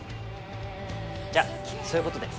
じゃあそういうことで。